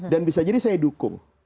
dan bisa jadi saya dukung